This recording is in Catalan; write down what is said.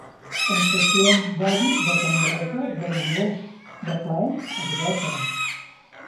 Sensacions d'odi, de tendresa, de dolor, de plaer, etcètera?